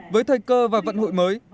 với thời cơ và vận hội mới